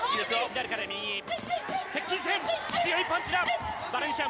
接近戦、強いパンチだ。